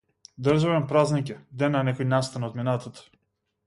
Државен празник е, ден на некој настан од минатото.